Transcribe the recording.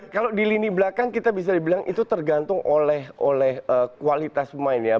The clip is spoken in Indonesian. kalau di lini belakang kita bisa dibilang itu tergantung oleh kualitas pemain ya